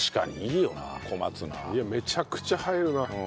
いやめちゃくちゃ入るな。